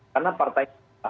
karena partai kita